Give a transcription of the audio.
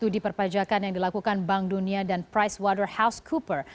diperpajakan yang dilakukan bank dunia dan pricewaterhousecoopers